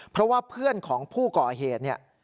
เพราะว่าเพื่อนของผู้ก่อเหตุเนี่ย